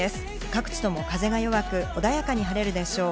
各地とも風が弱く穏やかに晴れるでしょう。